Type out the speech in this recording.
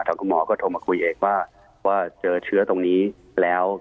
แต่คุณหมอก็โทรมาคุยเอกว่าว่าเจอเชื้อตรงนี้แล้ว